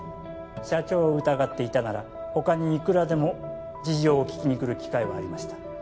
社長を疑っていたなら他にいくらでも事情を聞きに来る機会はありました